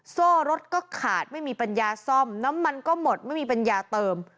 โซ่รถก็ขาดไม่มีปัญญาซ่อมน้ำมันก็หมดไม่มีปัญญาเติม